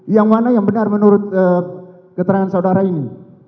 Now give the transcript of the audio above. yang mana yang benar menurut keterangan saudara ini